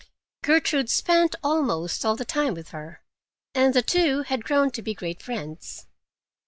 Gertrude spent almost all the time with her, and the two had grown to be great friends.